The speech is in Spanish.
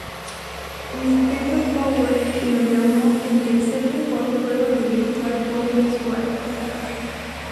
Nintendo Power lo llamó el tercer mejor juego de Virtual Boy de su año.